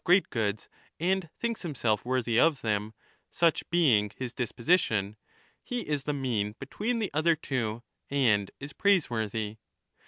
1233^ ETHICA EUDEMIA goods and thinks himself worthy of them, such being his disposition ; he is the mean between the other two and is praiseworthy.